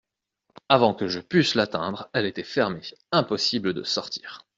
Avant que je pusse l'atteindre, elle était fermée ; impossible de sortir.